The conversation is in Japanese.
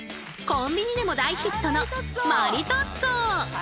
コンビニでも大ヒットのマリトッツォ！